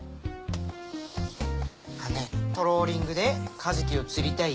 トローリングでカジキを釣りたい？